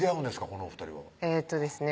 このお２人はえっとですね